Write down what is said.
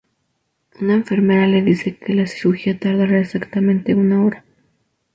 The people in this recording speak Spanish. Una enfermera le dice que la cirugía tardará exactamente una hora.